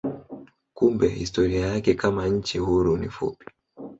Kumbe historia yake kama nchi huru ni fupi.